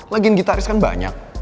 lagian gitaris kan banyak